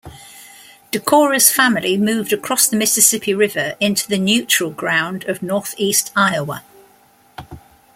Decorah's family moved across the Mississippi River into the "Neutral Ground" of northeast Iowa.